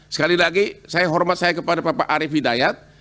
sekali lagi saya hormat saya kepada bapak arief hidayat